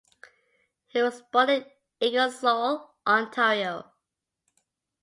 He was born in Ingersoll, Ontario.